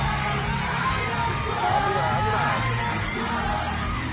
危ない危ない。